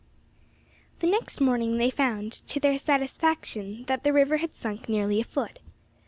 THE next morning they found, to their satisfaction, that the river had sunk nearly a foot.